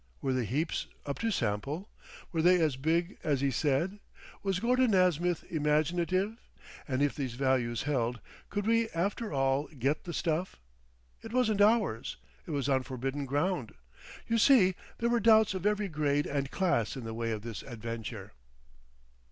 Were the heaps up to sample? Were they as big as he said? Was Gordon Nasmyth—imaginative? And if these values held, could we after all get the stuff? It wasn't ours. It was on forbidden ground. You see, there were doubts of every grade and class in the way of this adventure.